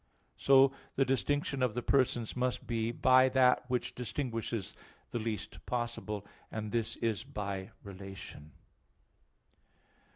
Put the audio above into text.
So the distinction of the persons must be by that which distinguishes the least possible; and this is by relation.